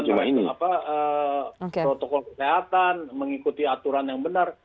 soal protokol kesehatan mengikuti aturan yang benar